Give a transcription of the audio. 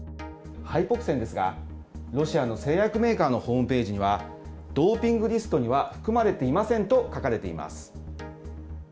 ハイポキセンですが、ロシアの製薬メーカーのホームページには、ドーピングリストには含まれていませんと書かれています。